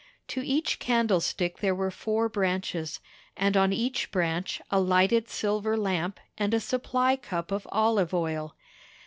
To each candlestick there were four branches, and on each branch a lighted silver lamp and a supply cup of olive oil.